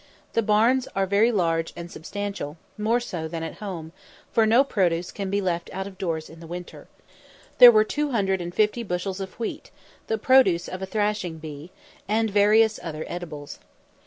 The barns are very large and substantial, more so than at home; for no produce can be left out of doors in the winter. There were two hundred and fifty bushels of wheat, the produce of a "thrashing bee," and various other edibles.